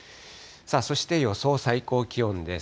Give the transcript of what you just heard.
そして予想最高気温です。